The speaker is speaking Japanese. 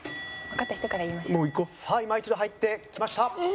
さあ今一度入ってきました。